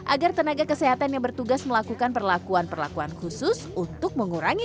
agar tenaga kesehatan yang bertugas melakukan perlakuan perlakuan khusus untuk mengurangi